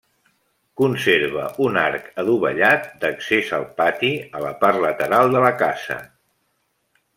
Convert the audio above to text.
Conserva un arc adovellat d'accés al pati a la part lateral de la casa.